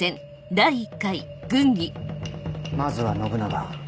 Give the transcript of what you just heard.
まずは信長。